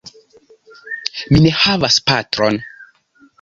Mi ne havas patron.